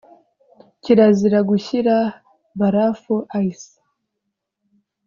Kirazira gushyira barafu (ice)